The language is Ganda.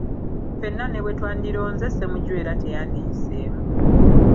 Ffenna ne bwe twandironze Ssemujju era teyandiyiseemu.